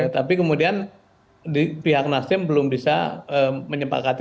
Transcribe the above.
tapi kemudian pihak nasdem belum bisa menyepakati